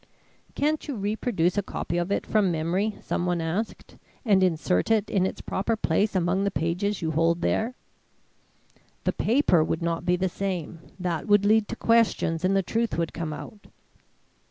"Can't you reproduce a copy of it from memory?" someone asked; "and insert it in its proper place among the pages you hold there?" "The paper would not be the same. That would lead to questions and the truth would come out.